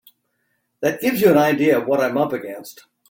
That gives you an idea of what I'm up against.